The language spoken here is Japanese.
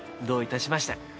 どういたしまして。